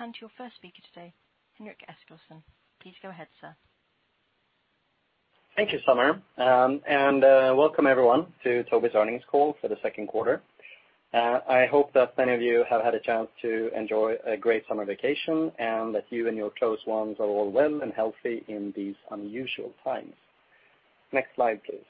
Now I'll hand to your first speaker today, Henrik Eskilsson. Please go ahead, sir. Thank you, Summer. Welcome everyone to Tobii's earnings call for the second quarter. I hope that many of you have had a chance to enjoy a great summer vacation, and that you and your close ones are all well and healthy in these unusual times. Next slide, please.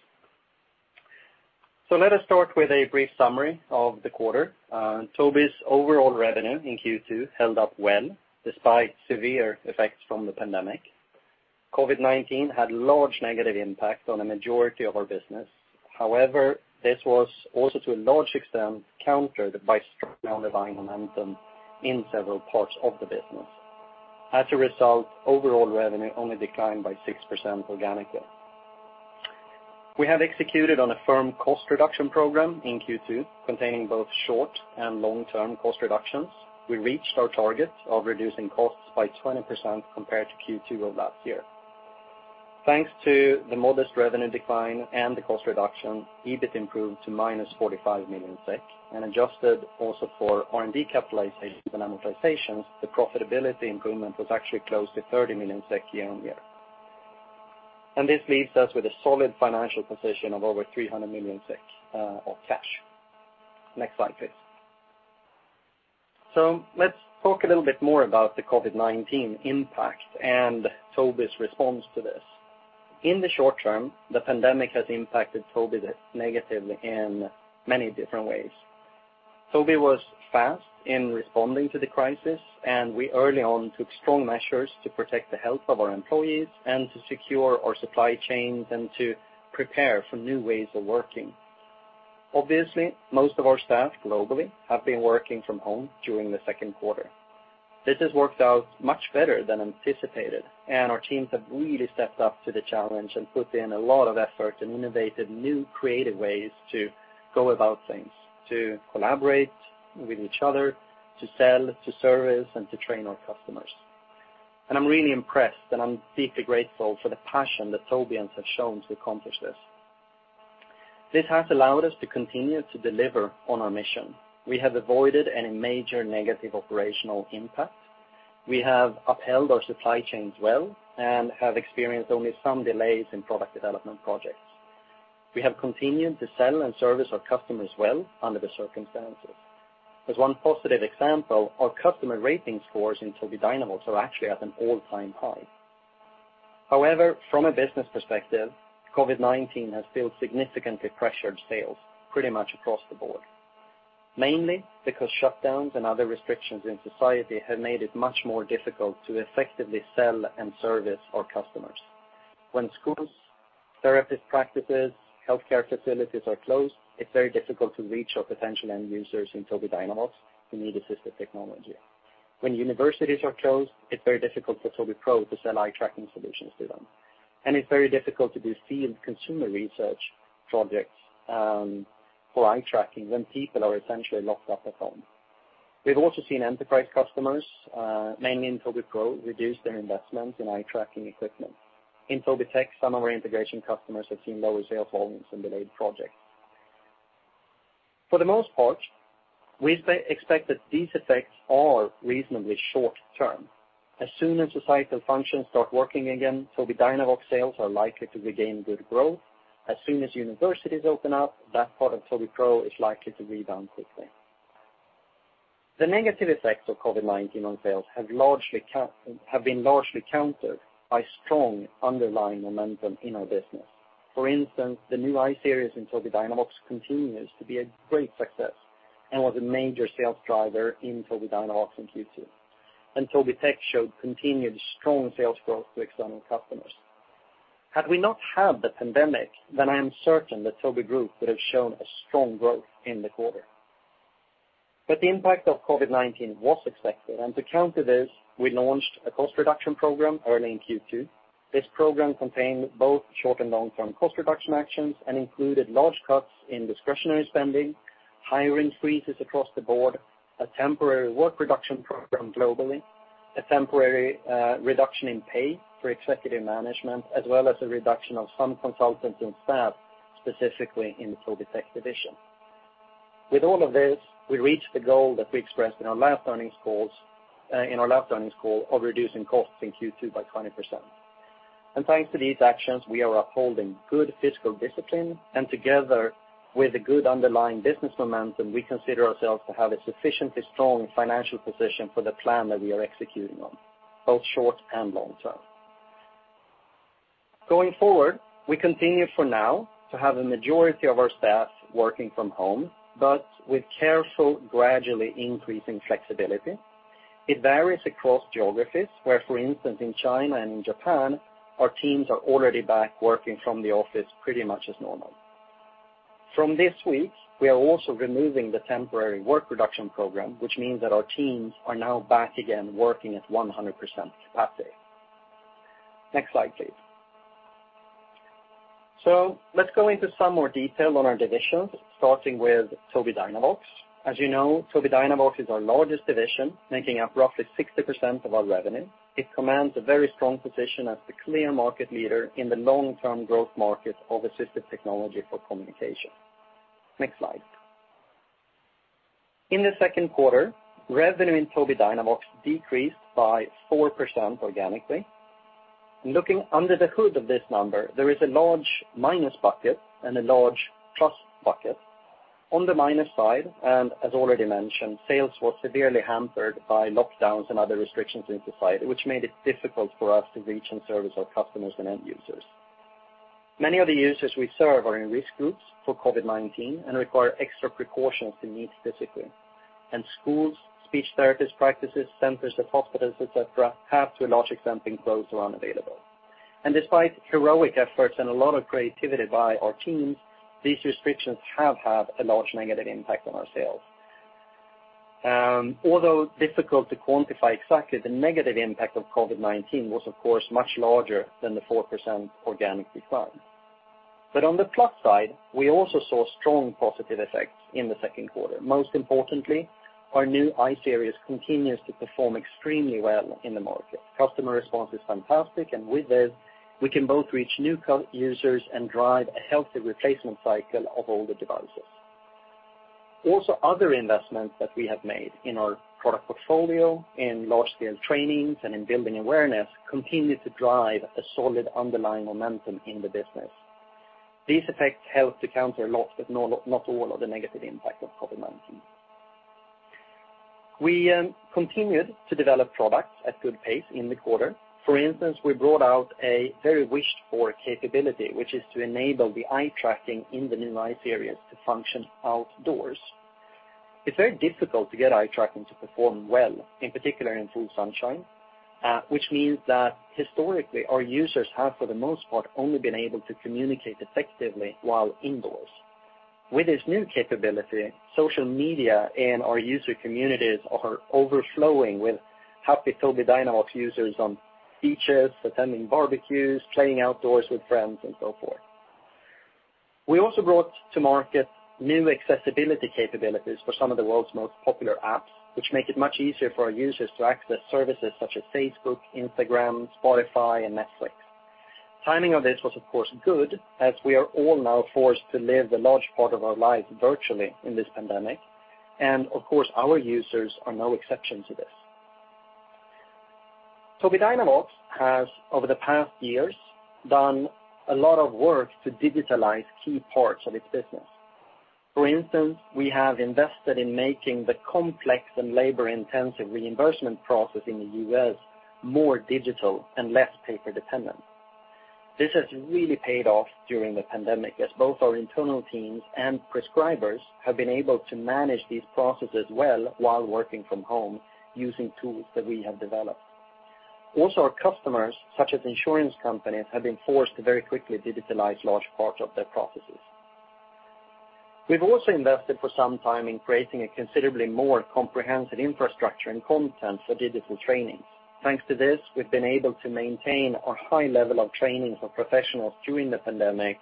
Let us start with a brief summary of the quarter. Tobii's overall revenue in Q2 held up well despite severe effects from the pandemic. COVID-19 had large negative impact on a majority of our business. However, this was also to a large extent countered by strong underlying momentum in several parts of the business. As a result, overall revenue only declined by 6% organically. We have executed on a firm cost reduction program in Q2, containing both short and long-term cost reductions. We reached our target of reducing costs by 20% compared to Q2 of last year. Thanks to the modest revenue decline and the cost reduction, EBIT improved to -45 million SEK and adjusted also for R&D capitalizations and amortizations, the profitability improvement was actually close to 30 million SEK year-on-year. This leaves us with a solid financial position of over 300 million SEK of cash. Next slide, please. Let's talk a little bit more about the COVID-19 impact and Tobii's response to this. In the short term, the pandemic has impacted Tobii negatively in many different ways. Tobii was fast in responding to the crisis, and we early on took strong measures to protect the health of our employees and to secure our supply chains and to prepare for new ways of working. Obviously, most of our staff globally have been working from home during the second quarter. This has worked out much better than anticipated, and our teams have really stepped up to the challenge and put in a lot of effort and innovated new creative ways to go about things, to collaborate with each other, to sell, to service, and to train our customers. I'm really impressed and I'm deeply grateful for the passion that Tobiians have shown to accomplish this. This has allowed us to continue to deliver on our mission. We have avoided any major negative operational impact. We have upheld our supply chains well and have experienced only some delays in product development projects. We have continued to sell and service our customers well under the circumstances. As one positive example, our customer rating scores in Tobii Dynavox are actually at an all-time high. However, from a business perspective, COVID-19 has still significantly pressured sales pretty much across the board. Mainly because shutdowns and other restrictions in society have made it much more difficult to effectively sell and service our customers. When schools, therapist practices, healthcare facilities are closed, it's very difficult to reach our potential end users in Tobii Dynavox who need assistive technology. When universities are closed, it's very difficult for Tobii Pro to sell eye tracking solutions to them. It's very difficult to do field consumer research projects for eye tracking when people are essentially locked up at home. We've also seen enterprise customers, mainly in Tobii Pro, reduce their investment in eye tracking equipment. In Tobii Tech, some of our integration customers have seen lower sales volumes and delayed projects. For the most part, we expect that these effects are reasonably short-term. As soon as societal functions start working again, Tobii Dynavox sales are likely to regain good growth. As soon as universities open up, that part of Tobii Pro is likely to rebound quickly. The negative effects of COVID-19 on sales have been largely countered by strong underlying momentum in our business. For instance, the new I-Series in Tobii Dynavox continues to be a great success and was a major sales driver in Tobii Dynavox in Q2. Tobii Tech showed continued strong sales growth to external customers. Had we not had the pandemic, I am certain that Tobii group would have shown a strong growth in the quarter. The impact of COVID-19 was expected, and to counter this, we launched a cost reduction program early in Q2. This program contained both short and long-term cost reduction actions and included large cuts in discretionary spending, hiring freezes across the board, a temporary work reduction program globally, a temporary reduction in pay for executive management, as well as a reduction of some consultants and staff, specifically in the Tobii Tech division. With all of this, we reached the goal that we expressed in our last earnings call of reducing costs in Q2 by 20%. Thanks to these actions, we are upholding good fiscal discipline, and together with a good underlying business momentum, we consider ourselves to have a sufficiently strong financial position for the plan that we are executing on, both short and long term. Going forward, we continue for now to have a majority of our staff working from home, but with careful, gradually increasing flexibility. It varies across geographies, where, for instance, in China and in Japan, our teams are already back working from the office pretty much as normal. From this week, we are also removing the temporary work reduction program, which means that our teams are now back again working at 100% capacity. Next slide, please. Let's go into some more detail on our divisions, starting with Tobii Dynavox. As you know, Tobii Dynavox is our largest division, making up roughly 60% of our revenue. It commands a very strong position as the clear market leader in the long-term growth market of assistive technology for communication. Next slide. In the second quarter, revenue in Tobii Dynavox decreased by 4% organically. Looking under the hood of this number, there is a large minus bucket and a large plus bucket. On the minus side, and as already mentioned, sales were severely hampered by lockdowns and other restrictions in society, which made it difficult for us to reach and service our customers and end users. Many of the users we serve are in risk groups for COVID-19 and require extra precautions to meet physically. Schools, speech therapist practices, centers of hospitals, et cetera, have to a large extent been closed or unavailable. Despite heroic efforts and a lot of creativity by our teams, these restrictions have had a large negative impact on our sales. Although difficult to quantify exactly, the negative impact of COVID-19 was of course much larger than the 4% organic decline. On the plus side, we also saw strong positive effects in the second quarter. Most importantly, our new I-Series continues to perform extremely well in the market. Customer response is fantastic. With this, we can both reach new co-users and drive a healthy replacement cycle of older devices. Other investments that we have made in our product portfolio, in large scale trainings and in building awareness continue to drive a solid underlying momentum in the business. These effects helped to counter a lot, not all of the negative impact of COVID-19. We continued to develop products at good pace in the quarter. For instance, we brought out a very wished-for capability, which is to enable the eye tracking in the new I-Series to function outdoors. It's very difficult to get eye tracking to perform well, in particular in full sunshine, which means that historically, our users have, for the most part, only been able to communicate effectively while indoors. With this new capability, social media and our user communities are overflowing with happy Tobii Dynavox users on beaches, attending barbecues, playing outdoors with friends, and so forth. We also brought to market new accessibility capabilities for some of the world's most popular apps, which make it much easier for our users to access services such as Facebook, Instagram, Spotify, and Netflix. Timing of this was, of course, good, as we are all now forced to live a large part of our lives virtually in this pandemic. Of course, our users are no exception to this. Tobii Dynavox has, over the past years, done a lot of work to digitalize key parts of its business. For instance, we have invested in making the complex and labor-intensive reimbursement process in the U.S. more digital and less paper-dependent. This has really paid off during the pandemic, as both our internal teams and prescribers have been able to manage these processes well while working from home using tools that we have developed. Also, our customers, such as insurance companies, have been forced to very quickly digitalize large parts of their processes. We've also invested for some time in creating a considerably more comprehensive infrastructure and content for digital trainings. Thanks to this, we've been able to maintain our high level of training for professionals during the pandemic,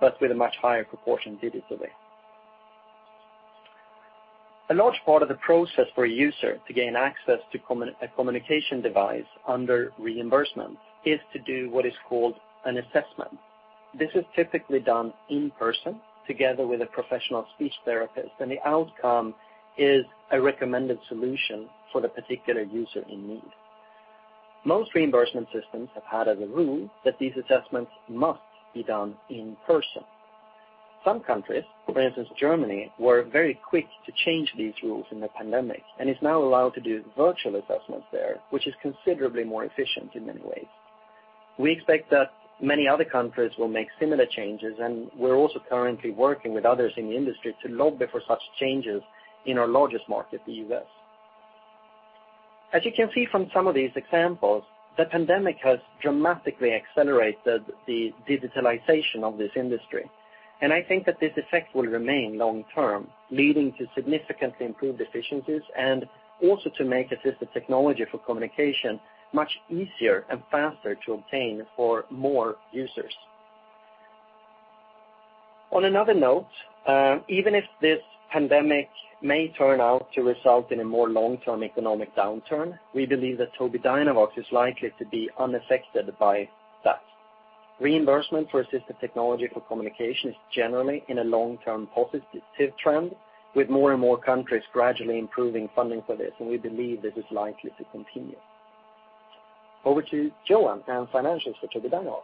but with a much higher proportion digitally. A large part of the process for a user to gain access to a communication device under reimbursement is to do what is called an assessment. This is typically done in person together with a professional speech therapist, and the outcome is a recommended solution for the particular user in need. Most reimbursement systems have had as a rule that these assessments must be done in person. Some countries, for instance, Germany, were very quick to change these rules in the pandemic and is now allowed to do virtual assessments there, which is considerably more efficient in many ways. We're also currently working with others in the industry to lobby for such changes in our largest market, the U.S. As you can see from some of these examples, the pandemic has dramatically accelerated the digitalization of this industry, and I think that this effect will remain long term, leading to significantly improved efficiencies and also to make assistive technology for communication much easier and faster to obtain for more users. On another note, even if this pandemic may turn out to result in a more long-term economic downturn, we believe that Tobii Dynavox is likely to be unaffected by that. Reimbursement for assistive technology for communication is generally in a long-term positive trend, with more and more countries gradually improving funding for this, and we believe this is likely to continue. Over to Johan and financials for Tobii Dynavox.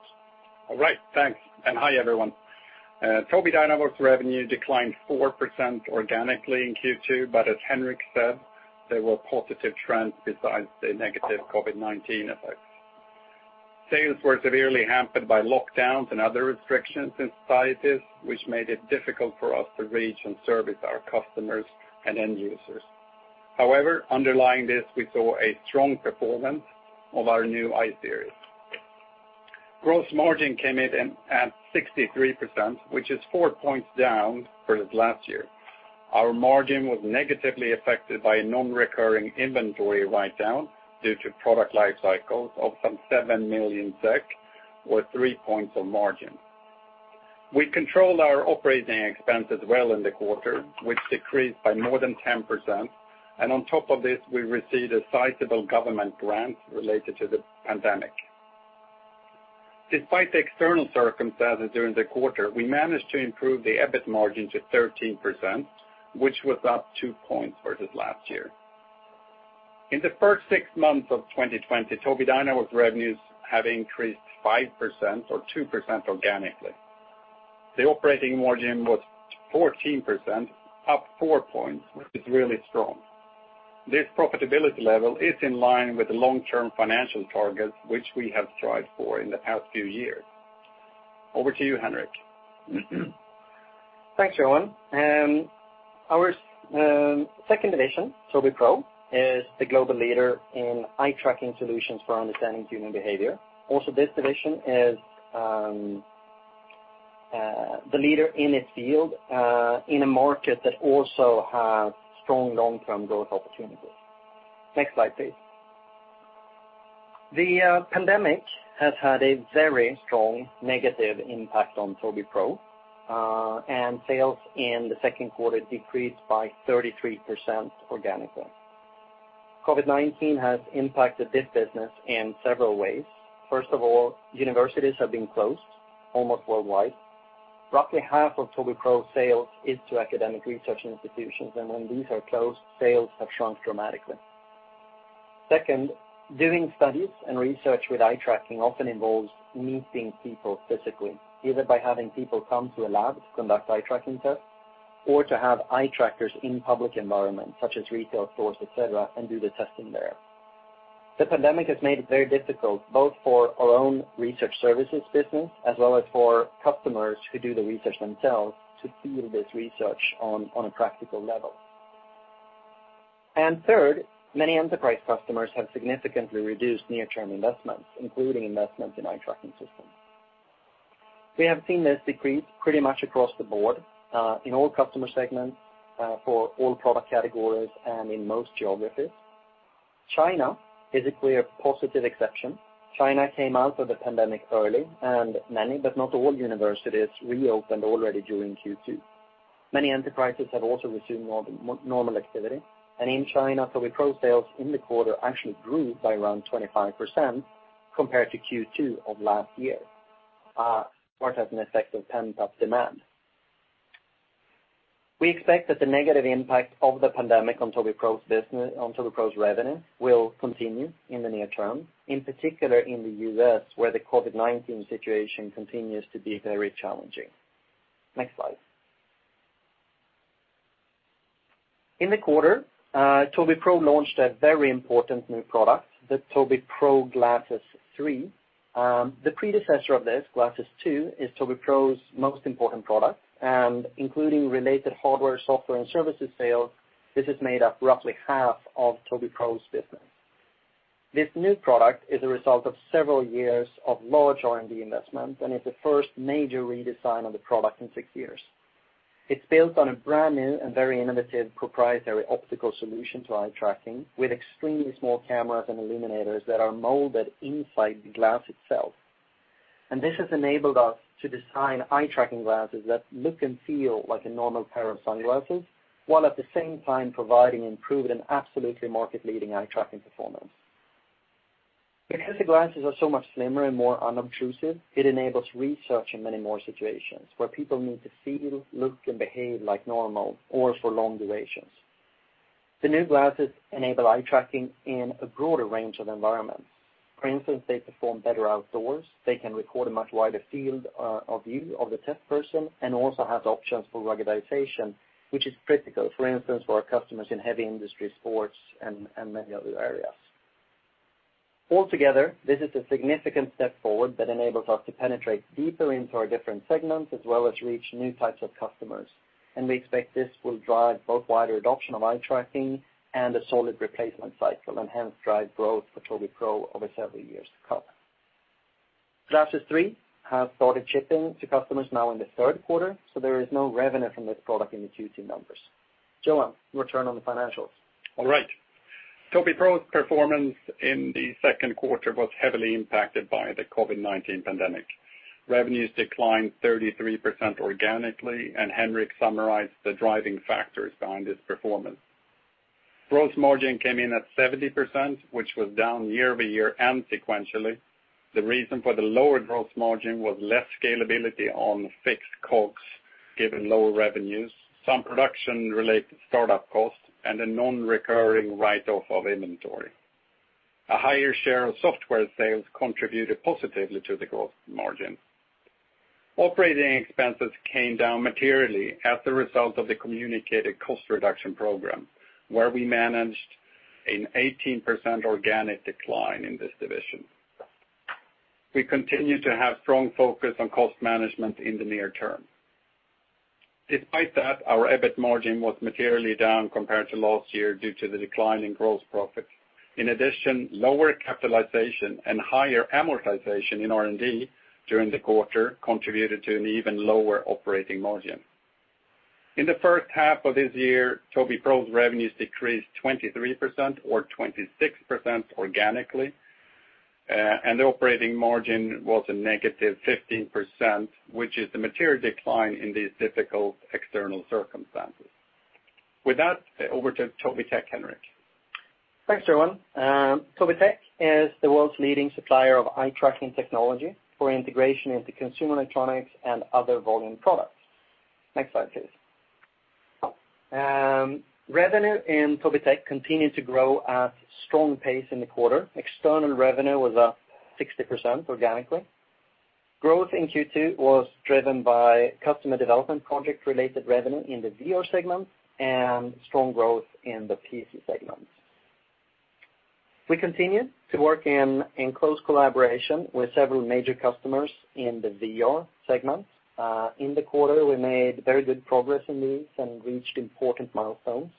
All right. Thanks. Hi, everyone. Tobii Dynavox revenue declined 4% organically in Q2, but as Henrik said, there were positive trends besides the negative COVID-19 effects. Sales were severely hampered by lockdowns and other restrictions in societies, which made it difficult for us to reach and service our customers and end users. However, underlying this, we saw a strong performance of our new I-Series. Gross margin came in at 63%, which is 4 points down versus last year. Our margin was negatively affected by a non-recurring inventory write-down due to product life cycles of some 7 million SEK or 3 points on margin. We controlled our operating expenses well in the quarter, which decreased by more than 10%. On top of this, we received a sizable government grant related to the pandemic. Despite the external circumstances during the quarter, we managed to improve the EBIT margin to 13%, which was up 2 points versus last year. In the first six months of 2020, Tobii Dynavox revenues have increased 5% or 2% organically. The operating margin was 14%, up 4 points, which is really strong. This profitability level is in line with the long-term financial targets, which we have strived for in the past few years. Over to you, Henrik. Thanks, Johan. Our second division, Tobii Pro, is the global leader in eye tracking solutions for understanding human behavior. This division is the leader in its field in a market that also has strong long-term growth opportunities. Next slide, please. The pandemic has had a very strong negative impact on Tobii Pro, and sales in the second quarter decreased by 33% organically. COVID-19 has impacted this business in several ways. First of all, universities have been closed almost worldwide. Roughly half of Tobii Pro sales is to academic research institutions. When these are closed, sales have shrunk dramatically. Second, doing studies and research with eye tracking often involves meeting people physically, either by having people come to a lab to conduct eye tracking tests or to have eye trackers in public environments such as retail stores, et cetera, and do the testing there. The pandemic has made it very difficult, both for our own research services business as well as for customers who do the research themselves to field this research on a practical level. Third, many enterprise customers have significantly reduced near-term investments, including investments in eye tracking systems. We have seen this decrease pretty much across the board, in all customer segments, for all product categories and in most geographies. China is a clear positive exception. China came out of the pandemic early, and many, but not all universities reopened already during Q2. Many enterprises have also resumed normal activity. In China, Tobii Pro sales in the quarter actually grew by around 25% compared to Q2 of last year, part as an effect of pent-up demand. We expect that the negative impact of the pandemic on Tobii Pro's revenue will continue in the near term, in particular in the U.S., where the COVID-19 situation continues to be very challenging. Next slide. In the quarter, Tobii Pro launched a very important new product, the Tobii Pro Glasses 3. The predecessor of this, Glasses 2, is Tobii Pro's most important product, and including related hardware, software, and services sales, this has made up roughly half of Tobii Pro's business. This new product is a result of several years of large R&D investment and is the first major redesign of the product in six years. It's built on a brand-new and very innovative proprietary optical solution to eye tracking, with extremely small cameras and illuminators that are molded inside the glass itself. This has enabled us to design eye tracking glasses that look and feel like a normal pair of sunglasses, while at the same time providing improved and absolutely market-leading eye tracking performance. The glasses are so much slimmer and more unobtrusive, it enables research in many more situations where people need to feel, look, and behave like normal or for long durations. The new glasses enable eye tracking in a broader range of environments. For instance, they perform better outdoors. They can record a much wider field of view of the test person and also have options for ruggedization, which is critical, for instance, for our customers in heavy industry, sports, and many other areas. Altogether, this is a significant step forward that enables us to penetrate deeper into our different segments, as well as reach new types of customers. We expect this will drive both wider adoption of eye tracking and a solid replacement cycle, and hence, drive growth for Tobii Pro over several years to come. Glasses 3 has started shipping to customers now in the third quarter, so there is no revenue from this product in the Q2 numbers. Johan, your turn on the financials. All right. Tobii Pro's performance in the second quarter was heavily impacted by the COVID-19 pandemic. Revenues declined 33% organically, and Henrik summarized the driving factors behind this performance. Gross margin came in at 70%, which was down year-over-year and sequentially. The reason for the lower gross margin was less scalability on fixed COGS given lower revenues, some production-related startup costs, and a non-recurring write-off of inventory. A higher share of software sales contributed positively to the gross margin. Operating expenses came down materially as a result of the communicated cost reduction program, where we managed an 18% organic decline in this division. We continue to have strong focus on cost management in the near term. Despite that, our EBIT margin was materially down compared to last year due to the decline in gross profit. In addition, lower capitalization and higher amortization in R&D during the quarter contributed to an even lower operating margin. In the first half of this year, Tobii Pro's revenues decreased 23% or 26% organically, and the operating margin was a -15%, which is a material decline in these difficult external circumstances. With that, over to Tobii Tech, Henrik. Thanks, everyone. Tobii Tech is the world's leading supplier of eye tracking technology for integration into consumer electronics and other volume products. Next slide, please. Revenue in Tobii Tech continued to grow at strong pace in the quarter. External revenue was up 60% organically. Growth in Q2 was driven by customer development project-related revenue in the VR segment and strong growth in the PC segment. We continue to work in close collaboration with several major customers in the VR segment. In the quarter, we made very good progress in these and reached important milestones.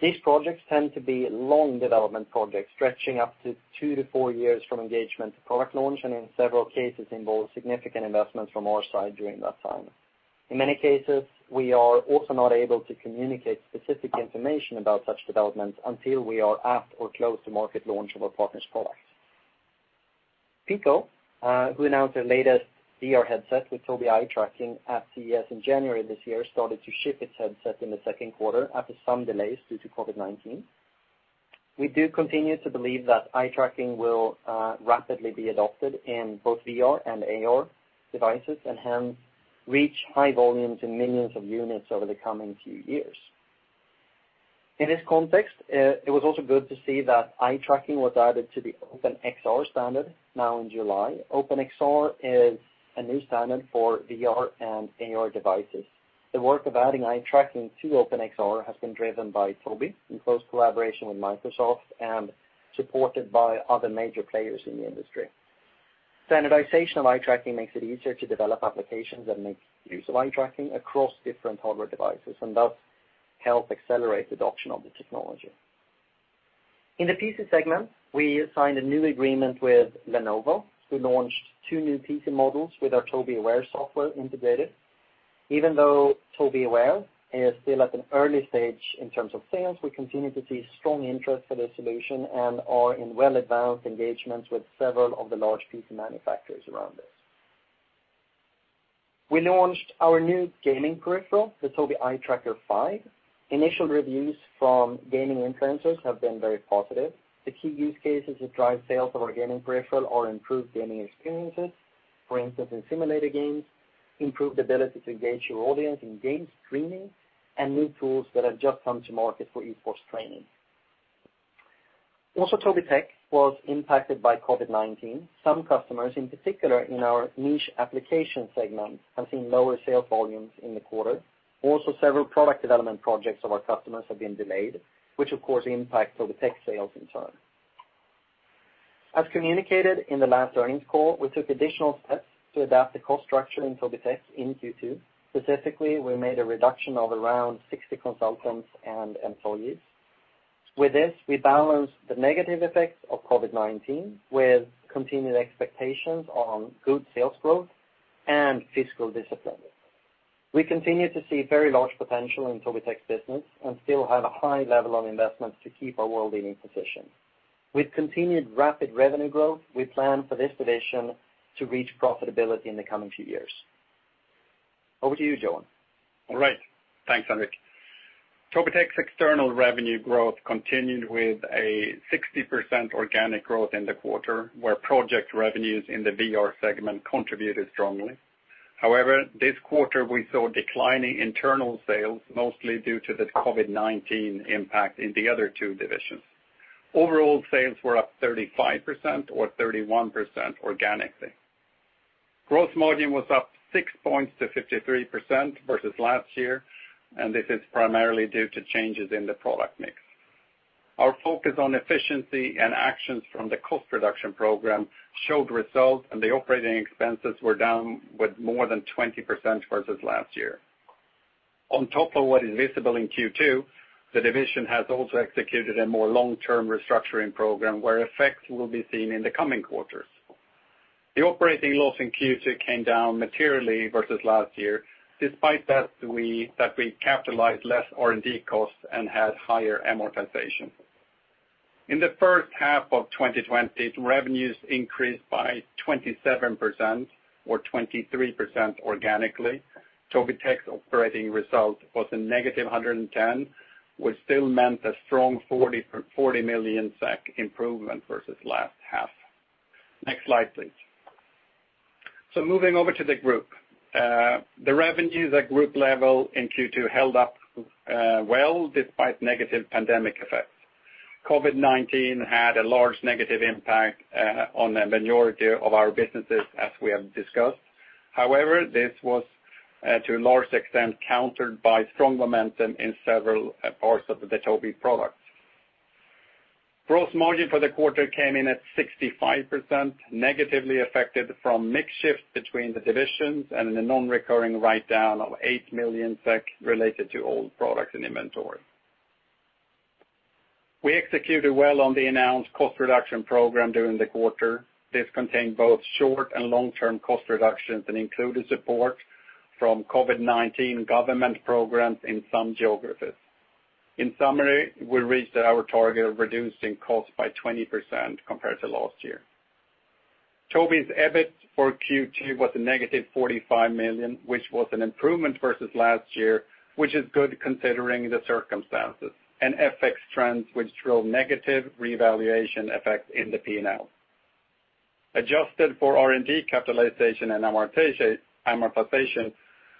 These projects tend to be long development projects, stretching up to two to four years from engagement to product launch, and in several cases involve significant investments from our side during that time. In many cases, we are also not able to communicate specific information about such developments until we are at or close to market launch of our partner's product. Pico, who announced their latest VR headset with Tobii eye tracking at CES in January this year, started to ship its headset in the second quarter after some delays due to COVID-19. We do continue to believe that eye tracking will rapidly be adopted in both VR and AR devices and hence reach high volumes in millions of units over the coming few years. In this context, it was also good to see that eye tracking was added to the OpenXR standard now in July. OpenXR is a new standard for VR and AR devices. The work of adding eye tracking to OpenXR has been driven by Tobii in close collaboration with Microsoft and supported by other major players in the industry. Standardization of eye tracking makes it easier to develop applications that make use of eye tracking across different hardware devices and thus help accelerate adoption of the technology. In the PC segment, we signed a new agreement with Lenovo, who launched two new PC models with our Tobii Aware software integrated. Even though Tobii Aware is still at an early stage in terms of sales, we continue to see strong interest for this solution and are in well-advanced engagements with several of the large PC manufacturers around this. We launched our new gaming peripheral, the Tobii Eye Tracker 5. Initial reviews from gaming influencers have been very positive. The key use cases to drive sales of our gaming peripheral are improved gaming experiences, for instance, in simulator games, improved ability to engage your audience in game streaming, and new tools that have just come to market for e-sports training. Tobii Tech was impacted by COVID-19. Some customers, in particular in our niche application segment, have seen lower sales volumes in the quarter. Several product development projects of our customers have been delayed, which, of course, impact Tobii Tech sales in turn. As communicated in the last earnings call, we took additional steps to adapt the cost structure in Tobii Tech in Q2. Specifically, we made a reduction of around 60 consultants and employees. With this, we balance the negative effects of COVID-19 with continued expectations on good sales growth and fiscal discipline. We continue to see very large potential in Tobii Tech's business and still have a high level of investments to keep our world-leading position. With continued rapid revenue growth, we plan for this division to reach profitability in the coming few years. Over to you, Johan. All right. Thanks, Henrik. Tobii Tech's external revenue growth continued with a 60% organic growth in the quarter, where project revenues in the VR segment contributed strongly. However, this quarter we saw declining internal sales, mostly due to the COVID-19 impact in the other two divisions. Overall sales were up 35% or 31% organically. Gross margin was up 6 points to 53% versus last year, and this is primarily due to changes in the product mix. Our focus on efficiency and actions from the cost reduction program showed results, and the operating expenses were down with more than 20% versus last year. On top of what is visible in Q2, the division has also executed a more long-term restructuring program where effects will be seen in the coming quarters. The operating loss in Q2 came down materially versus last year, despite that we capitalized less R&D costs and had higher amortization. In the first half of 2020, revenues increased by 27% or 23% organically. Tobii Tech's operating result was a -110 million, which still meant a strong 40 million SEK improvement versus last half. Next slide, please. Moving over to the group. The revenues at group level in Q2 held up well despite negative pandemic effects. COVID-19 had a large negative impact on a minority of our businesses, as we have discussed. This was to a large extent countered by strong momentum in several parts of the Tobii products. Gross margin for the quarter came in at 65%, negatively affected from mix shifts between the divisions and a non-recurring write-down of 8 million SEK related to old products and inventory. We executed well on the announced cost reduction program during the quarter. This contained both short- and long-term cost reductions and included support from COVID-19 government programs in some geographies. In summary, we reached our target of reducing costs by 20% compared to last year. Tobii's EBIT for Q2 was a -45 million, which was an improvement versus last year, which is good considering the circumstances, and FX trends which drove negative revaluation effect in the P&L. Adjusted for R&D capitalization and amortization,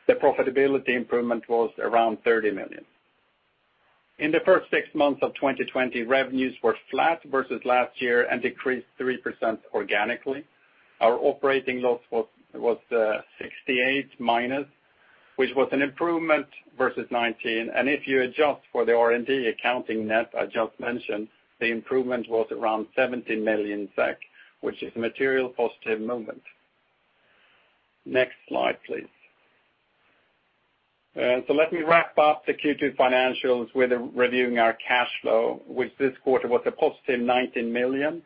the profitability improvement was around 30 million. In the first six months of 2020, revenues were flat versus last year and decreased 3% organically. Our operating loss was -68, which was an improvement versus 2019. If you adjust for the R&D accounting net I just mentioned, the improvement was around 17 million SEK, which is a material positive movement. Next slide, please. Let me wrap up the Q2 financials with reviewing our cash flow, which this quarter was a positive 19 million,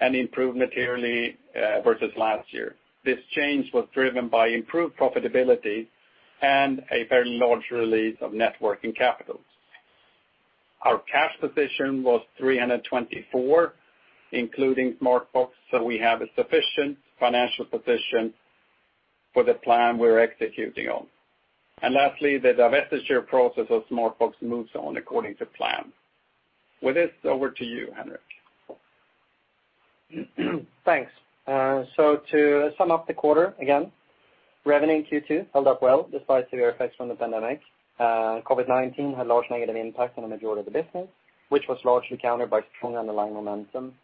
an improvement yearly versus last year. This change was driven by improved profitability and a very large release of net working capital. Our cash position was 324, including Smartbox, so we have a sufficient financial position for the plan we're executing on. Lastly, the divestiture process of Smartbox moves on according to plan. With this, over to you, Henrik. Thanks. To sum up the quarter again, revenue in Q2 held up well despite severe effects from the pandemic. COVID-19 had large negative impact on the majority of the business, which was largely countered by strong underlying momentum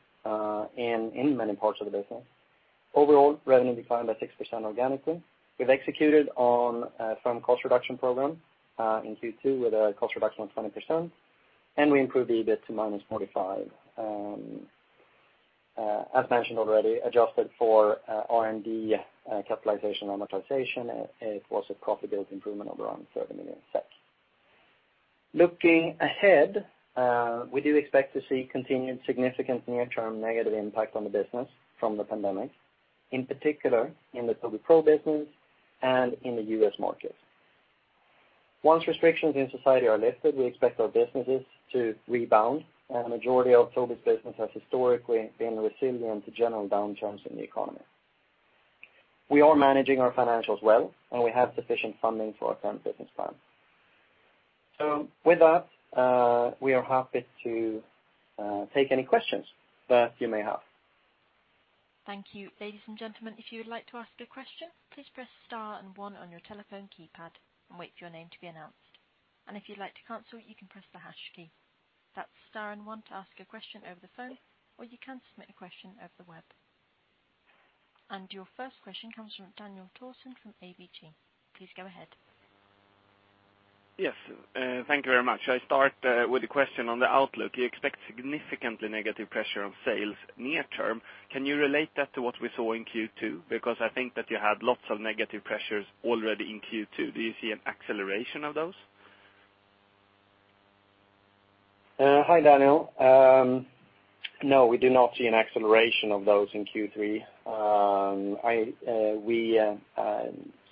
in many parts of the business. Overall, revenue declined by 6% organically. We've executed on a firm cost reduction program in Q2 with a cost reduction of 20%, and we improved the EBIT to -45 million. As mentioned already, adjusted for R&D capitalization amortization, it was a profitability improvement of around 30 million SEK. Looking ahead, we do expect to see continued significant near-term negative impact on the business from the pandemic, in particular in the Tobii Pro business and in the U.S. market. Once restrictions in society are lifted, we expect our businesses to rebound. A majority of Tobii's business has historically been resilient to general downturns in the economy. We are managing our financials well, and we have sufficient funding for our current business plan. With that, we are happy to take any questions that you may have. Thank you. Ladies and gentlemen, if you would like to ask a question, please press star and one on your telephone keypad and wait for your name to be announced. If you'd like to cancel it, you can press the hash key. That's star and one to ask a question over the phone, or you can submit a question over the web. Your first question comes from Daniel Thorsson from ABG. Please go ahead. Yes. Thank you very much. I start with a question on the outlook. You expect significantly negative pressure on sales near term. Can you relate that to what we saw in Q2? I think that you had lots of negative pressures already in Q2. Do you see an acceleration of those? Hi, Daniel. We do not see an acceleration of those in Q3. We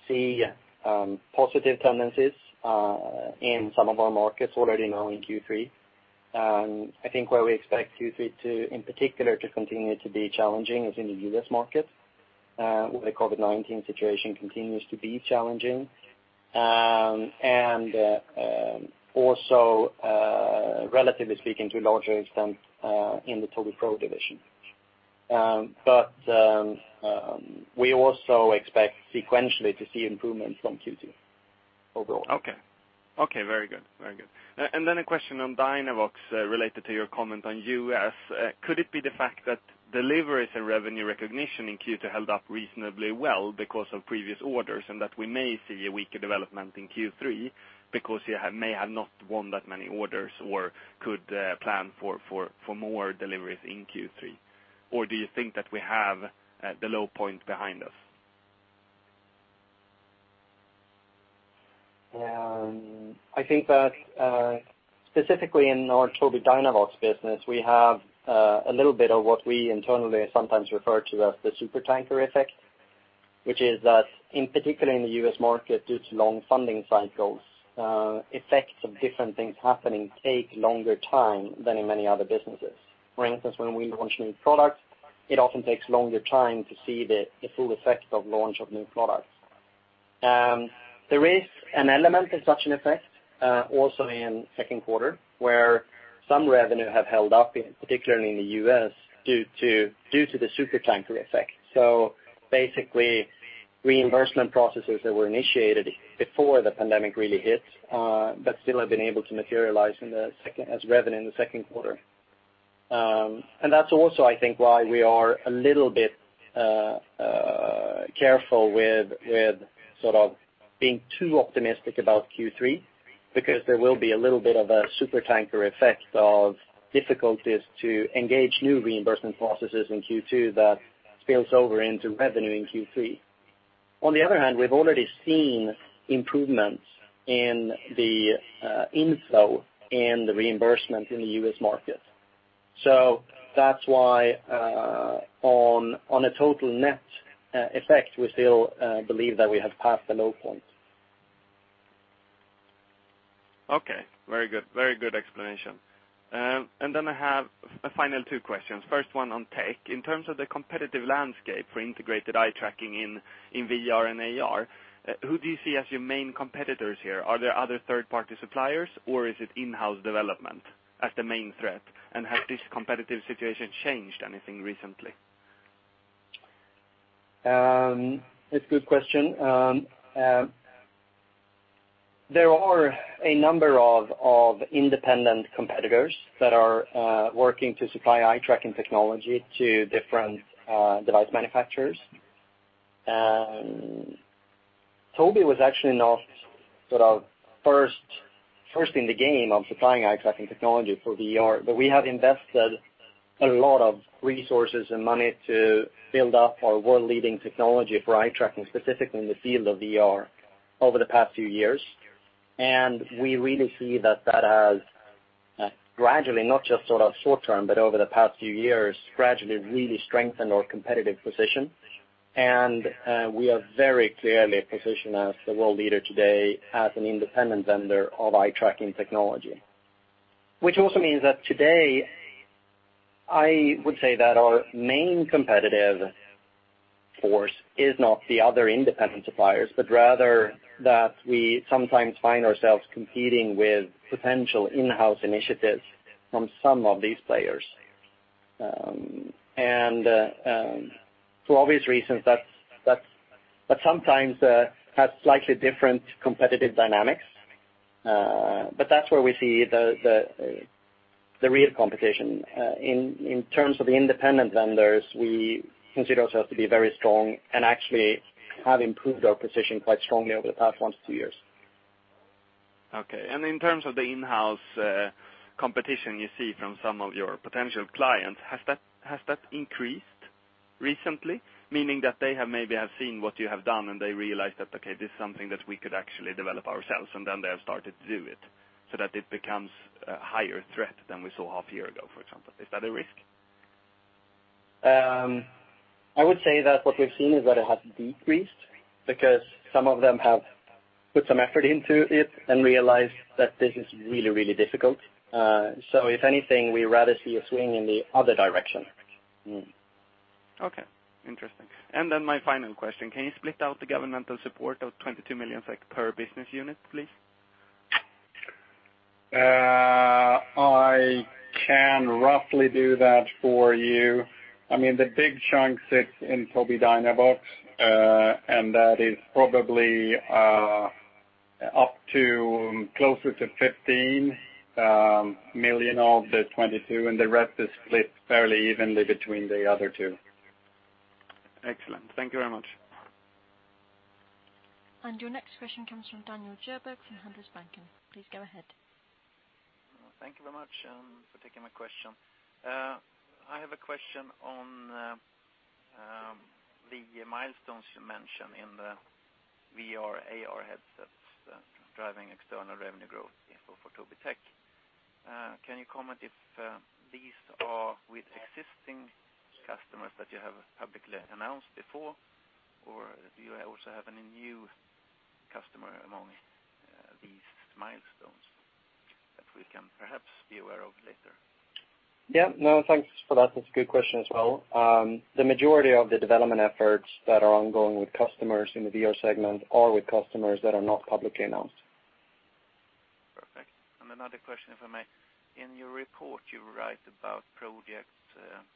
see positive tendencies in some of our markets already now in Q3. I think where we expect Q3 in particular to continue to be challenging is in the U.S. market, where the COVID-19 situation continues to be challenging. Also, relatively speaking, to a larger extent in the Tobii Pro division. We also expect sequentially to see improvements from Q2 overall. Okay. Very good. A question on Dynavox related to your comment on U.S. Could it be the fact that deliveries and revenue recognition in Q2 held up reasonably well because of previous orders, and that we may see a weaker development in Q3 because you may have not won that many orders or could plan for more deliveries in Q3? Do you think that we have the low point behind us? I think that specifically in our Tobii Dynavox business, we have a little bit of what we internally sometimes refer to as the supertanker effect, which is that in particular in the U.S. market, due to long funding cycles, effects of different things happening take longer time than in many other businesses. For instance, when we launch new products, it often takes longer time to see the full effect of launch of new products. There is an element of such an effect also in second quarter, where some revenue have held up, particularly in the U.S., due to the supertanker effect. Basically, reimbursement processes that were initiated before the pandemic really hit, but still have been able to materialize as revenue in the second quarter. That's also, I think, why we are a little bit careful with being too optimistic about Q3, because there will be a little bit of a supertanker effect of difficulties to engage new reimbursement processes in Q2 that spills over into revenue in Q3. On the other hand, we've already seen improvements in the inflow and the reimbursement in the U.S. market. That's why on a total net effect, we still believe that we have passed the low point. Okay. Very good explanation. Then I have a final two questions. First one on Tech. In terms of the competitive landscape for integrated eye-tracking in VR and AR, who do you see as your main competitors here? Are there other third-party suppliers, or is it in-house development as the main threat? Has this competitive situation changed anything recently? It's a good question. There are a number of independent competitors that are working to supply eye-tracking technology to different device manufacturers. Tobii was actually not first in the game of supplying eye-tracking technology for VR, but we have invested a lot of resources and money to build up our world-leading technology for eye-tracking, specifically in the field of VR, over the past few years. We really see that has gradually, not just short-term, but over the past few years, gradually really strengthened our competitive position. We are very clearly positioned as the world leader today as an independent vendor of eye-tracking technology, which also means that today, I would say that our main competitive force is not the other independent suppliers, but rather that we sometimes find ourselves competing with potential in-house initiatives from some of these players. For obvious reasons, that sometimes has slightly different competitive dynamics. That's where we see the real competition. In terms of the independent vendors, we consider ourselves to be very strong and actually have improved our position quite strongly over the past one to two years. Okay. In terms of the in-house competition you see from some of your potential clients, has that increased recently? Meaning that they have maybe seen what you have done and they realized that, okay, this is something that we could actually develop ourselves, and then they have started to do it so that it becomes a higher threat than we saw half a year ago, for example. Is that a risk? I would say that what we've seen is that it has decreased because some of them have put some effort into it and realized that this is really difficult. If anything, we rather see a swing in the other direction. Okay. Interesting. Then my final question, can you split out the governmental support of 22 million per business unit, please? I can roughly do that for you. The big chunk sits in Tobii Dynavox, and that is probably up to closer to 15 million of the 22, and the rest is split fairly evenly between the other two. Excellent. Thank you very much. Your next question comes from Daniel Djurberg from Handelsbanken. Please go ahead. Thank you very much for taking my question. I have a question on the milestones you mentioned in the VR, AR headsets driving external revenue growth for Tobii Tech. Can you comment if these are with existing customers that you have publicly announced before, or do you also have any new customer among these milestones that we can perhaps be aware of later? Yeah. No, thanks for that. That's a good question as well. The majority of the development efforts that are ongoing with customers in the VR segment are with customers that are not publicly announced. Perfect. Another question, if I may. In your report, you write about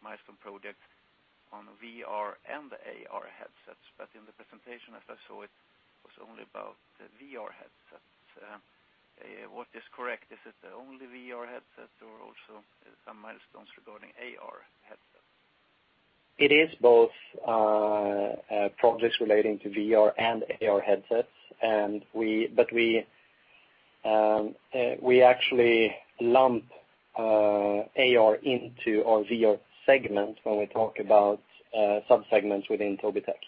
milestone projects on VR and AR headsets, but in the presentation, as I saw it was only about the VR headsets. What is correct? Is it only VR headsets or also some milestones regarding AR headsets? It is both projects relating to VR and AR headsets. We actually lump AR into our VR segment when we talk about sub-segments within Tobii Tech. Okay, thanks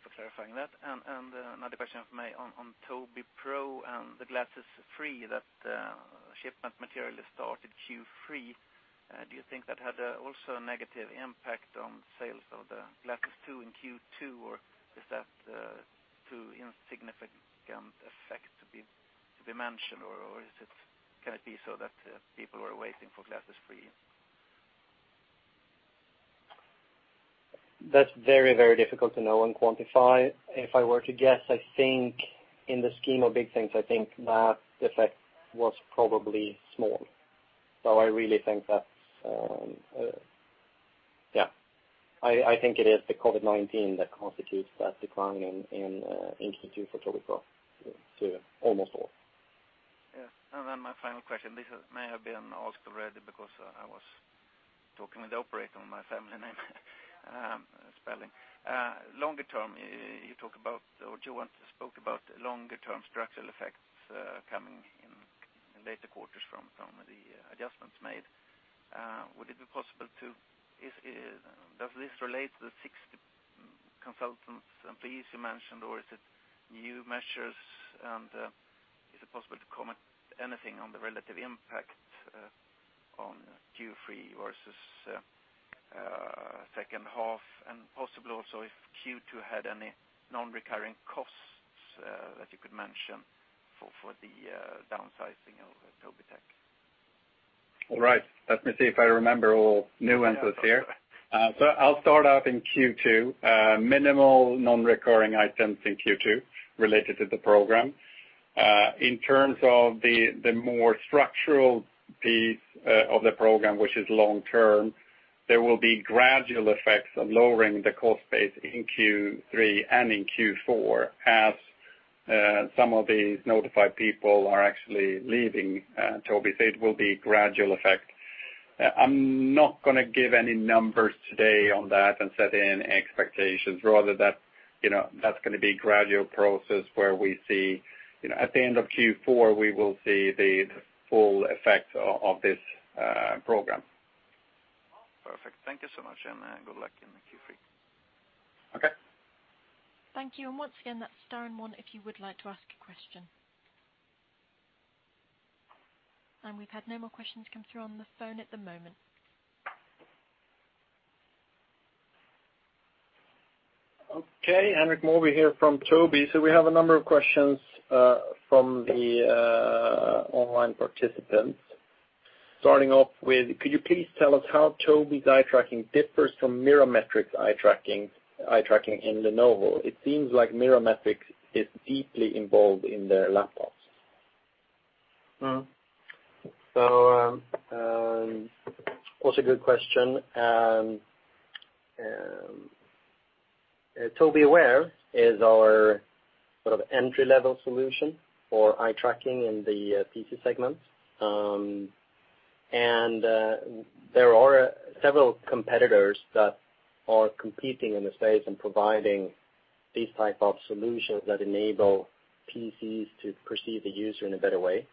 for clarifying that. Another question for me on Tobii Pro and the Glasses 3, that shipment materially started Q3. Do you think that had also a negative impact on sales of the Glasses 2 in Q2? Is that too insignificant effect to be mentioned, or can it be so that people were waiting for Glasses 3? That's very difficult to know and quantify. If I were to guess, I think in the scheme of big things, I think that effect was probably small. I really think that, I think it is the COVID-19 that constitutes that decline in Q2 for Tobii Pro. Yes. My final question, this may have been asked already because I was talking with the operator with my family name spelling. Longer term, Johan spoke about longer-term structural effects coming in later quarters from some of the adjustments made. Does this relate to the 60 consultants, employees you mentioned, or is it new measures and anything on the relative impact on Q3 versus second half, and possibly also if Q2 had any non-recurring costs that you could mention for the downsizing of Tobii Tech? All right. Let me see if I remember all nuances here. I'll start out in Q2. Minimal non-recurring items in Q2 related to the program. In terms of the more structural piece of the program, which is long-term, there will be gradual effects of lowering the cost base in Q3 and in Q4 as some of these notified people are actually leaving Tobii, so it will be a gradual effect. I'm not going to give any numbers today on that and set any expectations. Rather that's going to be a gradual process where at the end of Q4, we will see the full effect of this program. Perfect. Thank you so much, and good luck in Q3. Okay. Thank you. Once again, that's star and one if you would like to ask a question. We've had no more questions come through on the phone at the moment. Okay, Henrik Mawby here from Tobii. We have a number of questions from the online participants. Starting off with, could you please tell us how Tobii's eye tracking differs from Mirametrix eye tracking in Lenovo? It seems like Mirametrix is deeply involved in their laptops. Also a good question. Tobii Aware is our sort of entry-level solution for eye tracking in the PC segment. There are several competitors that are competing in the space and providing these type of solutions that enable PCs to perceive the user in a better way.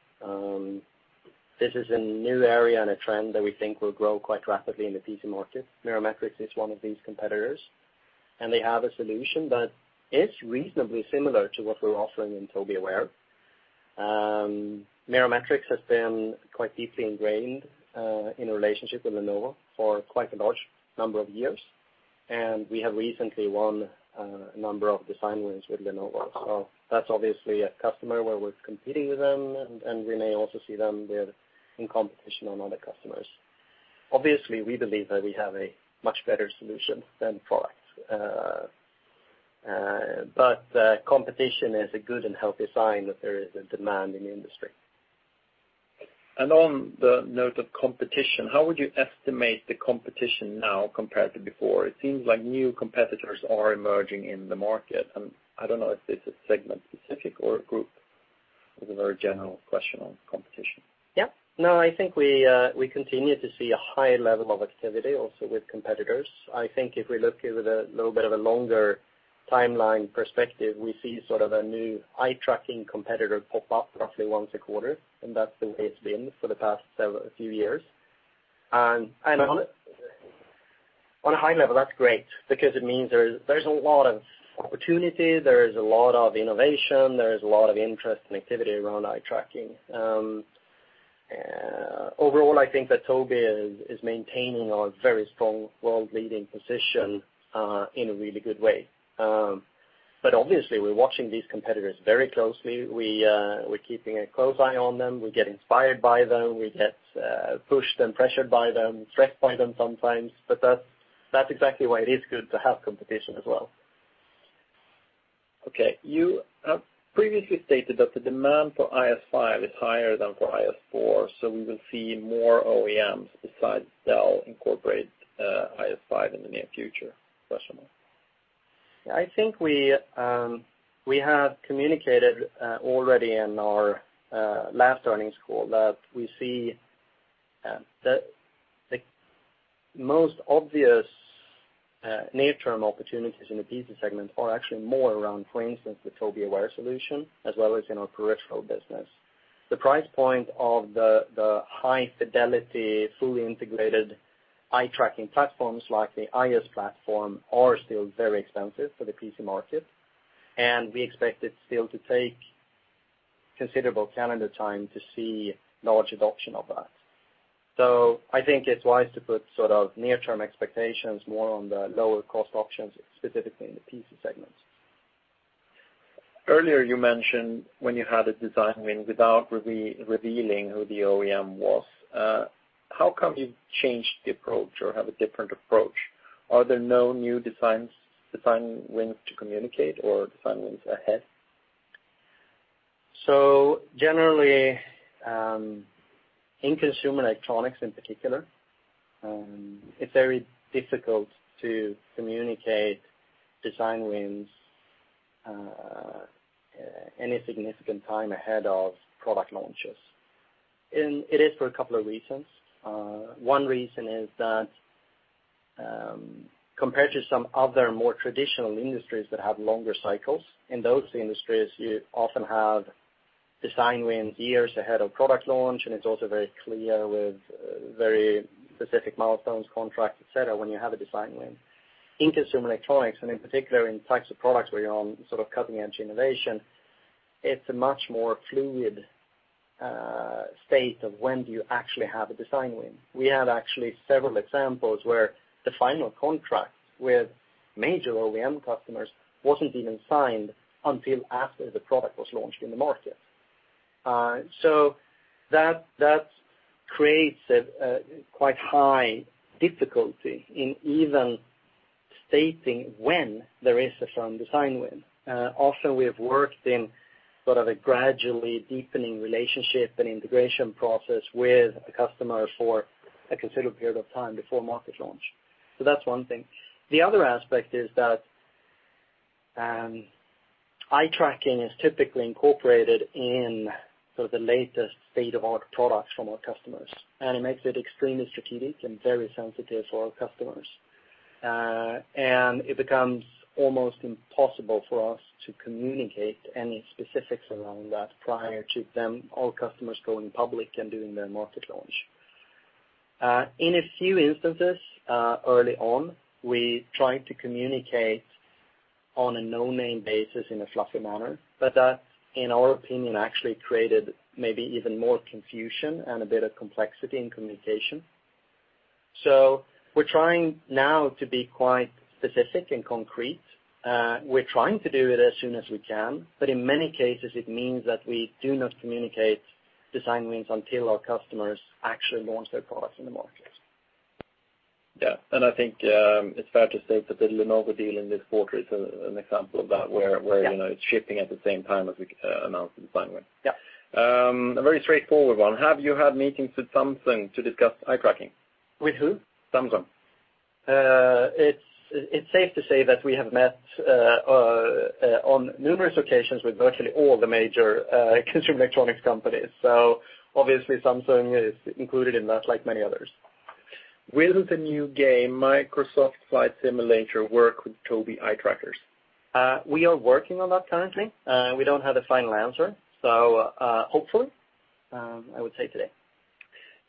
This is a new area and a trend that we think will grow quite rapidly in the PC market. Mirametrix is one of these competitors, and they have a solution that is reasonably similar to what we're offering in Tobii Aware. Mirametrix has been quite deeply ingrained in a relationship with Lenovo for quite a large number of years, and we have recently won a number of design wins with Lenovo. That's obviously a customer where we're competing with them, and we may also see them there in competition on other customers. Obviously, we believe that we have a much better solution than product. Competition is a good and healthy sign that there is a demand in the industry. On the note of competition, how would you estimate the competition now compared to before? It seems like new competitors are emerging in the market, and I don't know if this is segment specific or group. It was a very general question on competition. No, I think we continue to see a high level of activity also with competitors. I think if we look with a little bit of a longer timeline perspective, we see sort of a new eye tracking competitor pop up roughly once a quarter, and that's the way it's been for the past few years. On a high level, that's great because it means there's a lot of opportunity, there is a lot of innovation, there is a lot of interest and activity around eye tracking. Overall, I think that Tobii is maintaining a very strong world leading position in a really good way. Obviously, we're watching these competitors very closely. We're keeping a close eye on them. We get inspired by them. We get pushed and pressured by them, threatened by them sometimes, but that's exactly why it is good to have competition as well. Okay. You have previously stated that the demand for IS5 is higher than for IS4, so we will see more OEMs besides Dell incorporate IS5 in the near future? I think we have communicated already in our last earnings call that we see that the most obvious near-term opportunities in the PC segment are actually more around, for instance, the Tobii Aware solution, as well as in our peripheral business. The price point of the high fidelity, fully integrated eye tracking platforms like the IS platform are still very expensive for the PC market, and we expect it still to take considerable calendar time to see large adoption of that. I think it's wise to put sort of near-term expectations more on the lower cost options, specifically in the PC segments. Earlier you mentioned when you had a design win without revealing who the OEM was. How come you changed the approach or have a different approach? Are there no new design wins to communicate or design wins ahead? Generally, in consumer electronics in particular, it's very difficult to communicate design wins any significant time ahead of product launches. It is for a couple of reasons. One reason is that compared to some other more traditional industries that have longer cycles, in those industries, you often have design wins years ahead of product launch, and it's also very clear with very specific milestones, contracts, et cetera, when you have a design win. In consumer electronics, and in particular in types of products where you're on sort of cutting-edge innovation, it's a much more fluid state of when do you actually have a design win. We have actually several examples where the final contract with major OEM customers wasn't even signed until after the product was launched in the market. That creates a quite high difficulty in even stating when there is some design win. We have worked in sort of a gradually deepening relationship and integration process with a customer for a considerable period of time before market launch. That's one thing. The other aspect is that eye tracking is typically incorporated in the latest state-of-the-art products from our customers, and it makes it extremely strategic and very sensitive for our customers. It becomes almost impossible for us to communicate any specifics around that prior to them, our customers, going public and doing their market launch. In a few instances, early on, we tried to communicate on a no-name basis in a fluffy manner, that, in our opinion, actually created maybe even more confusion and a bit of complexity in communication. We're trying now to be quite specific and concrete. We're trying to do it as soon as we can, but in many cases, it means that we do not communicate design wins until our customers actually launch their products in the market. Yeah. I think it's fair to say that the Lenovo deal in this quarter is an example of that. Yeah It's shipping at the same time as we announce the design win. Yeah. A very straightforward one. Have you had meetings with Samsung to discuss eye tracking? With who? Samsung. It's safe to say that we have met on numerous occasions with virtually all the major consumer electronics companies. Obviously, Samsung is included in that, like many others. Will the new game Microsoft Flight Simulator work with Tobii eye trackers? We are working on that currently. We don't have a final answer. Hopefully, I would say today.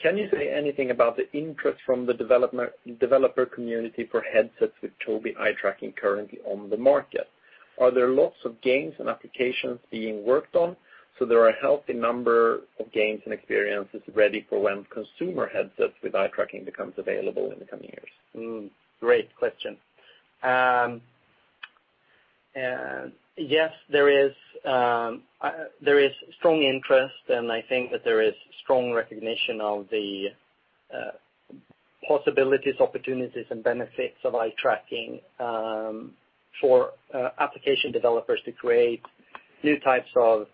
Can you say anything about the interest from the developer community for headsets with Tobii eye tracking currently on the market? Are there lots of games and applications being worked on, so there are a healthy number of games and experiences ready for when consumer headsets with eye tracking becomes available in the coming years? Great question. Yes, there is strong interest, and I think that there is strong recognition of the possibilities, opportunities, and benefits of eye tracking for application developers to create new types of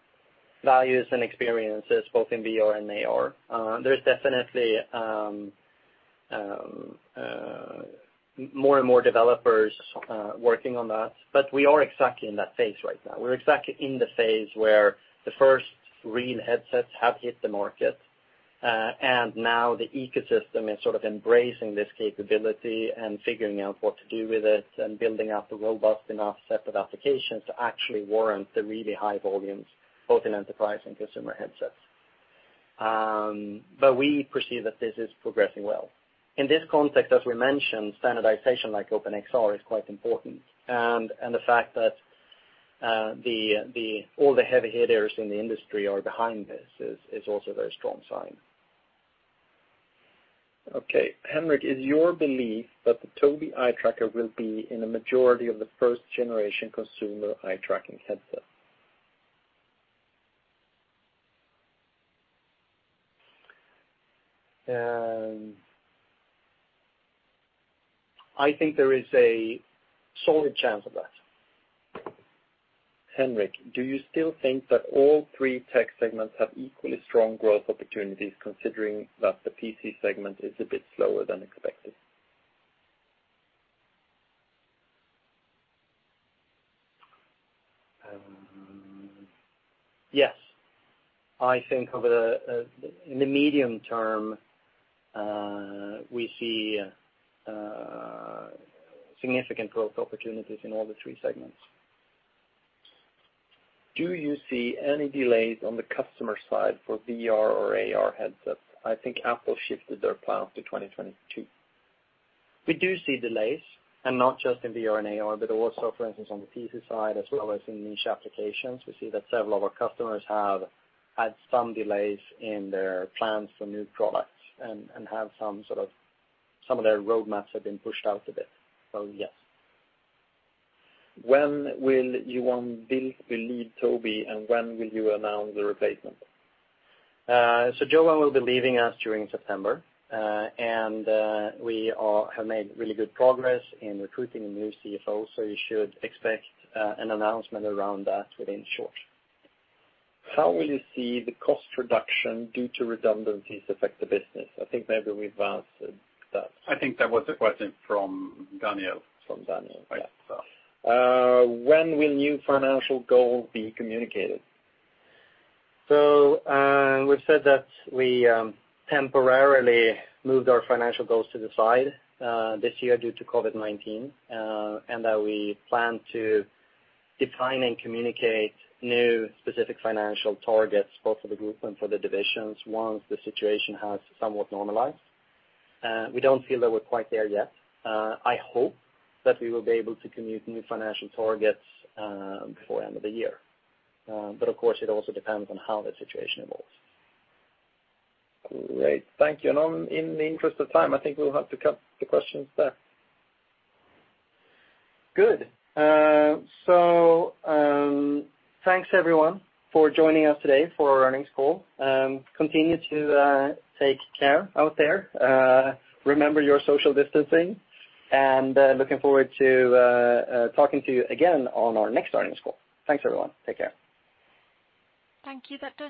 values and experiences, both in VR and AR. There's definitely more and more developers working on that, but we are exactly in that phase right now. We're exactly in the phase where the first real headsets have hit the market. Now the ecosystem is sort of embracing this capability and figuring out what to do with it and building out a robust enough set of applications to actually warrant the really high volumes, both in enterprise and consumer headsets. We perceive that this is progressing well. In this context, as we mentioned, standardization like OpenXR is quite important. The fact that all the heavy hitters in the industry are behind this is also a very strong sign. Okay. Henrik, is your belief that the Tobii eye tracker will be in a majority of the first-generation consumer eye tracking headsets? I think there is a solid chance of that. Henrik, do you still think that all three tech segments have equally strong growth opportunities, considering that the PC segment is a bit slower than expected? Yes. I think in the medium term, we see significant growth opportunities in all the three segments. Do you see any delays on the customer side for VR or AR headsets? I think Apple shifted their plan to 2022. We do see delays, and not just in VR and AR, but also, for instance, on the PC side, as well as in niche applications. We see that several of our customers have had some delays in their plans for new products and some of their roadmaps have been pushed out a bit. Yes. When will Johan Wilsby leave Tobii, and when will you announce the replacement? Johan will be leaving us during September. We have made really good progress in recruiting a new CFO, so you should expect an announcement around that within short. How will you see the cost reduction due to redundancies affect the business? I think maybe we've answered that. I think that was a question from Daniel. From Daniel, yeah. When will new financial goals be communicated? We've said that we temporarily moved our financial goals to the side this year due to COVID-19, and that we plan to define and communicate new specific financial targets both for the group and for the divisions once the situation has somewhat normalized. We don't feel that we're quite there yet. I hope that we will be able to communicate new financial targets before end of the year. Of course, it also depends on how the situation evolves. Great. Thank you. In the interest of time, I think we'll have to cut the questions there. Good. Thanks everyone for joining us today for our earnings call. Continue to take care out there. Remember your social distancing. We are looking forward to talking to you again on our next earnings call. Thanks, everyone. Take care. Thank you.